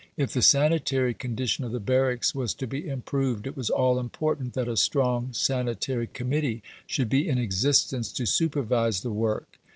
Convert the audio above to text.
If the sanitary condition of the barracks was to be improved, it was all important that a strong Sanitary Committee should be in existence to supervise the work.